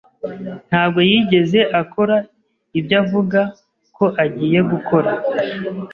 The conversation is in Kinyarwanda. Ntabwo yigeze akora ibyo avuga ko agiye gukora.